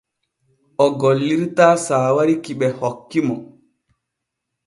O gollirtaa saawari ki ɓe hokki mo.